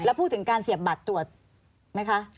มอบนี้มีการเสียบบัตรตรวจไหมคะ